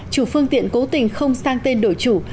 chủ phương tiện cố tình không sang tên đổi chủ